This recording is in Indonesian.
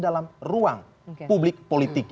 dalam ruang publik politik